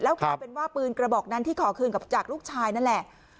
กลายเป็นว่าปืนกระบอกนั้นที่ขอคืนจากลูกชายนั่นแหละ